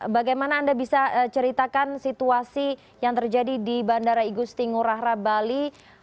bagaimana anda bisa ceritakan situasi yang terjadi di bandara igusti ngurah rai bali